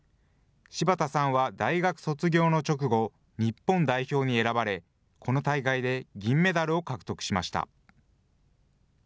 柴田さんは大学卒業の直後、日本代表に選ばれ、この大会で銀メダルを獲得しました。